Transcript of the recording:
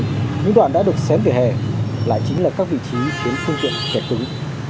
tất chí những đoạn đã được xém về hè lại chính là các vị trí khiến phương tiện kẻ cứng